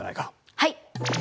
はい。